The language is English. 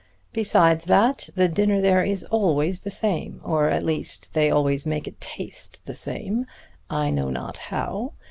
Besides that, the dinner there is always the same, or at least they always make it taste the same, I know not how.